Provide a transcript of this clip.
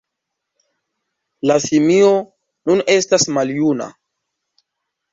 La simio nun estas maljuna.